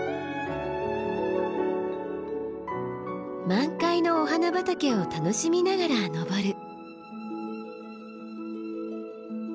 満開のお花畑を楽しみながら登る。